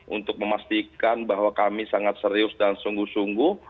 untuk memastikan bahwa kami sangat serius dan sungguh sungguh